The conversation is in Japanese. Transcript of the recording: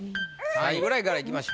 ３位ぐらいからいきましょう。